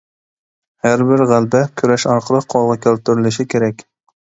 ھەر بىر غەلىبە كۈرەش ئارقىلىق قولغا كەلتۈرۈلۈشى كېرەك.